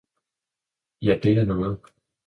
ja det er noget!